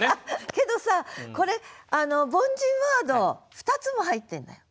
けどさこれ凡人ワード２つも入ってるんだよ。